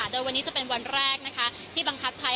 โดยวันนี้จะเป็นวันแรกที่บังคับใช้